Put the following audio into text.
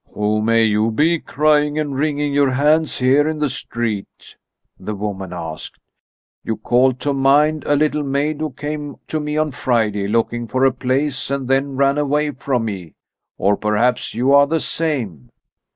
"Who may you be, crying and wringing your hands here in the street?" the woman asked. "You call to my mind a little maid who came to me on Friday looking for a place and then ran away from me. Or perhaps you are the same?"